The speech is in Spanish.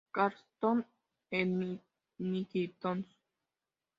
Cartoons en Nicktoons.